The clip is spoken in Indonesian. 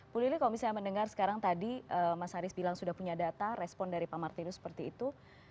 bu lili kalau misalnya mendengar sekarang tadi mas haris bilang sudah punya data respon dari pak martinus seperti itu